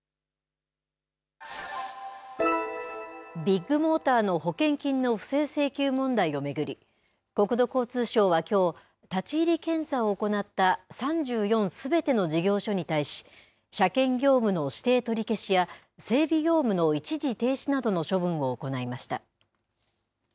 ビッグモーターの保険金の不正請求問題を巡り、国土交通省はきょう、立ち入り検査を行った３４すべての事業所に対し、車検業務の指定取り消しや整備業務の一時停止などの処分を行いました。